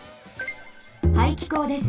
排気口です。